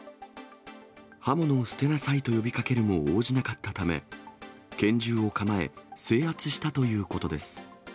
刃物を捨てなさいと呼びかけるも応じなかったため、拳銃を構え、制圧したということです。